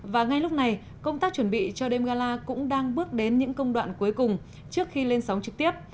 và ngay lúc này công tác chuẩn bị cho đêm gala cũng đang bước đến những công đoạn cuối cùng trước khi lên sóng trực tiếp